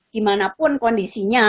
gimana pun kondisinya